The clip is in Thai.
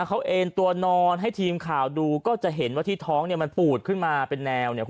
เขาเอ็นตัวนอนให้ทีมข่าวดูก็จะเห็นว่าที่ท้องเนี่ยมันปูดขึ้นมาเป็นแนวเนี่ย